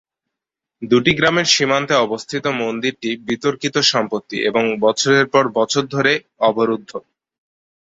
দুটি গ্রামের সীমান্তে অবস্থিত মন্দিরটি বিতর্কিত সম্পত্তি এবং বছরের পর বছর ধরে অবরুদ্ধ।